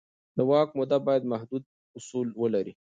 د واک موده باید محدود اصول ولري